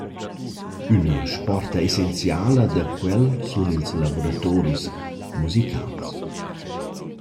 Üna sporta essenziala da quel sun ils lavuratoris musicals.